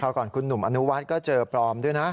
ก่อนคุณหนุ่มอนุวัฒน์ก็เจอปลอมด้วยนะ